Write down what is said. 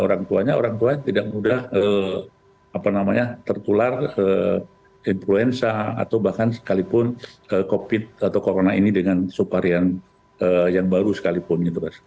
orang tuanya tidak mudah tertular influenza atau bahkan sekalipun covid atau corona ini dengan subvarian yang baru sekalipun